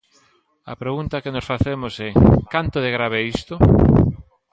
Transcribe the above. A pregunta que nos facemos é: canto de grave é isto?